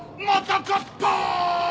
また勝った！